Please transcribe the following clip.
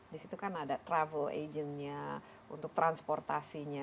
di situ kan ada travel agent nya untuk transportasinya